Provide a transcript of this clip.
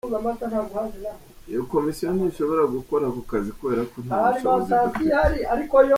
Iyo komisiyo ntishobora gukora ako kazi kubera ko nta bushobozi dufite.